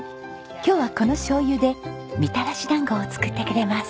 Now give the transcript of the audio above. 今日はこのしょうゆでみたらし団子を作ってくれます。